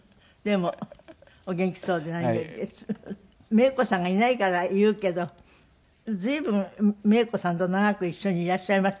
メイコさんがいないから言うけど随分メイコさんと長く一緒にいらっしゃいましたね。